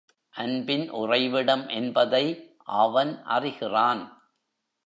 அன்பின் உறைவிடம் என்பதை அவன் அறிகிறான்.